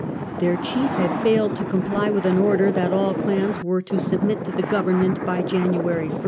Their chief had failed to comply with an order that all clans were to submit to the government by January i.